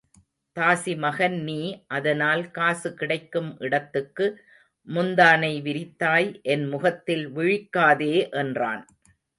தாசிமகன் நீ அதனால் காசு கிடைக்கும் இடத்துக்கு முந்தானை விரித்தாய் என் முகத்தில் விழிக்காதே என்றான்.